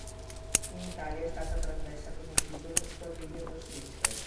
In Italia è stata trasmessa con il titolo "Squadriglia top secret".